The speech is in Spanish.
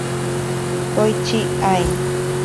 Koichi Ae